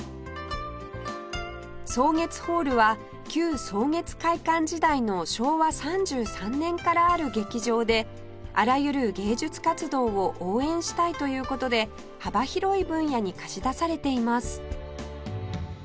草月ホールは旧草月会館時代の昭和３３年からある劇場であらゆる芸術活動を応援したいという事で幅広い分野に貸し出されています